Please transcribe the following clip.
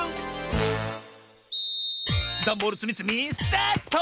ダンボールつみつみスタート！